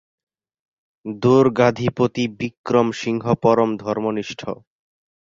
দুর্গাধিপতি বিক্রমসিংহ পরম ধর্মনিষ্ঠ।